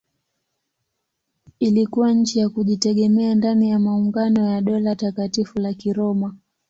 Ilikuwa nchi ya kujitegemea ndani ya maungano ya Dola Takatifu la Kiroma.